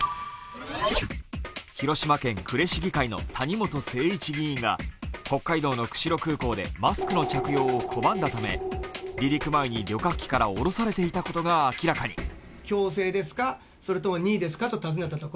広島県呉市議会の谷本誠一市議が北海道の釧路空港でマスクの着用を拒んだため、離陸前に旅客機から降ろされていたことが明らかに。